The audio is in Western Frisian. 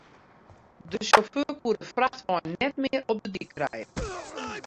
De sjauffeur koe de frachtwein net mear op de dyk krije.